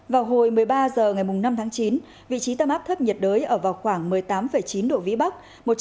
vào hồi một mươi ba h ngày năm tháng chín vị trí tâm áp thấp nhiệt đới ở vào khoảng một mươi tám chín độ vĩ bắc